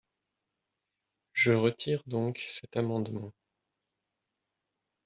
Je retire donc cet amendement.